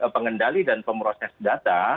pengendali dan pemroses data